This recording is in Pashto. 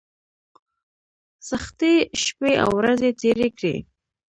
سختۍ شپې او ورځې تېرې کړې.